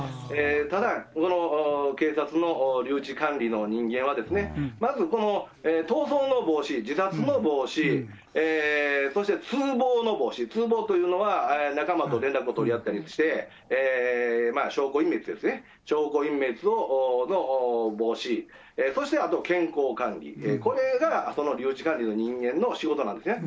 ただ、この警察の留置管理の人間はですね、まずこの逃走の防止、自殺の防止、そして通謀の防止、通謀というのは、仲間と連絡を取り合ったりして、証拠隠滅ですね、証拠隠滅の防止、そしてあと健康管理、これがその留置管理の人間の仕事なんですね。